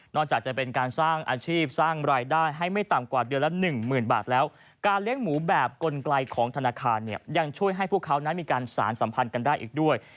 จากจะเป็นการสร้างอาชีพสร้างรายได้ให้ไม่ต่ำกว่าเดือนละหนึ่งหมื่นบาทแล้วการเลี้ยงหมูแบบกลไกลของธนาคารเนี่ยยังช่วยให้พวกเขานั้นมีการสารสัมพันธ์กันได้อีกด้วย